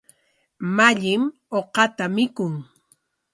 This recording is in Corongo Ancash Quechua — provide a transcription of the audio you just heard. Mallim uqata mikun.